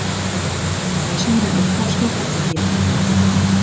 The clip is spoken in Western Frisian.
Wy soenen it paske opwurdearje wolle.